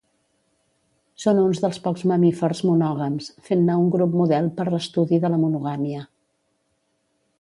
Són uns dels pocs mamífers monògams, fent-ne un grup model per l'estudi de la monogàmia.